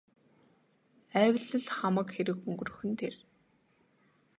Айвал л хамаг хэрэг өнгөрөх нь тэр.